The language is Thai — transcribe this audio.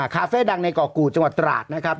คาเฟ่ดังในก่อกู่จังหวัดตราดนะครับ